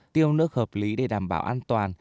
tiêu nước hợp lý để đảm bảo an toàn